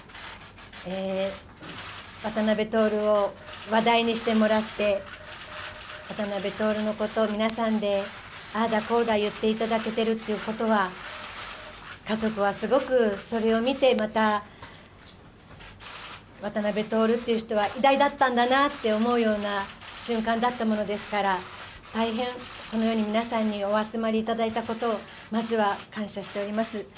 渡辺徹を話題にしてもらって、渡辺徹のことを皆さんでああだこうだ言っていただけているということは、家族はすごく、それを見て、また、渡辺徹っていう人は偉大だったんだなって思うような瞬間だったものですから、大変このように皆さんにお集まりいただいたことを、まずは感謝しております。